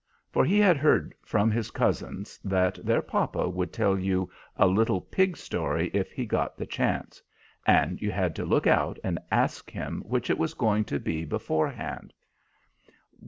for he had heard from his cousins that their papa would tell you a little pig story if he got the chance; and you had to look out and ask him which it was going to be beforehand.